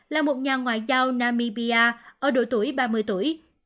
là một nhà ngoại giao namibia ở độ tuổi ba mươi tuổi